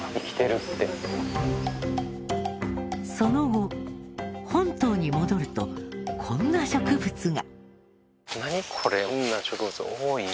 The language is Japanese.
その後本島に戻るとこんな植物が。